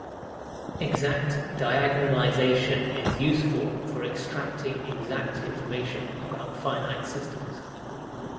Exact diagonalization is useful for extracting exact information about finite systems.